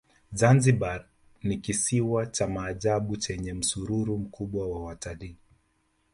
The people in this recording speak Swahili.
zanzibar ni kisiwa cha maajabu chenye msururu mkubwa wa watalii